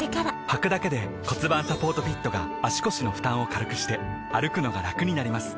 はくだけで骨盤サポートフィットが腰の負担を軽くして歩くのがラクになります